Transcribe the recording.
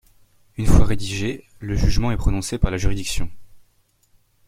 Une fois rédigé, le jugement est prononcé par la juridiction.